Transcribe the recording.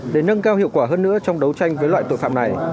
để nâng cao hiệu quả hơn nữa trong đấu tranh với loại tội phạm này